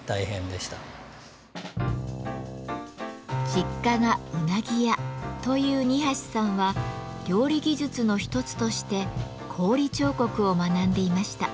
実家がうなぎ屋という二さんは料理技術の一つとして氷彫刻を学んでいました。